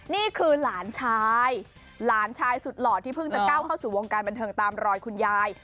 นี่คือหลานชายหลานชายสุดหล่อที่เพิ่งจะก้าวเข้าสู่วงการบันเทิงตามรอยคุณยาย